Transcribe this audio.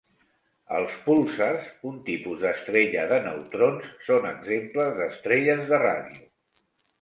Els púlsars, un tipus d'estrella de neutrons, són exemples d'estrelles de ràdio.